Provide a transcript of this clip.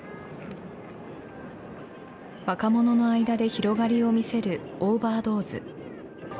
若者の間で広がりを見せるオーバードーズ。